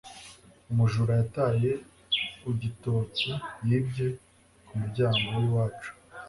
Umujura yataye ugitoki yibye ku muryango w’iwacu